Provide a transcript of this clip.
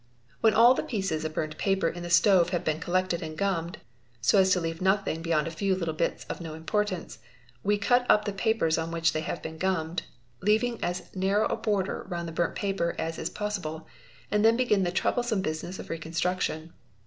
q When all the pieces of burnt paper in the stove have been collected 'and gummed so as to leave nothing beyond a few little bits of no Importance, we cut up the papers on which they have been gummed, leaving as narrow a border round the burnt paper as is possible, and shen begin the troublesome business of reconstruction.